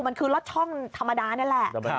มันคือล็อตช่องธรรมดานี่แหละ